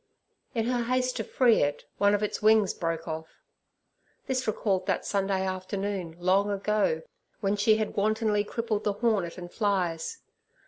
In her haste to free it, one of its wings broke off. This recalled that Sunday afternoon, long ago, when she had wantonly crippled the hornet and flies.